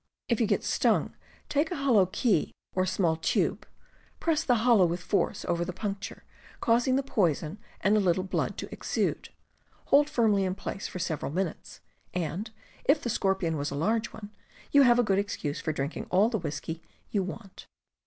If you get stung, take a hollow key or small tube, press the hollow with force over the puncture, causing the poison and a little blood to exude, hold firmly in place for several minutes, and, if the scorpion was a large one, you have a good excuse for drinking all the whiskey you want.